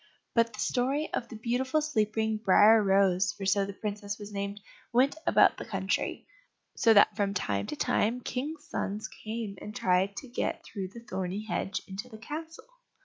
But the story of the beautiful sleeping "Briar rose," for so the princess was named, went about the country, so that from time to time kings' sons came and tried to get through the thorny hedge into the castle.